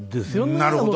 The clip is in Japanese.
なるほど。